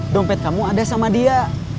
dompet kamu ada sama dia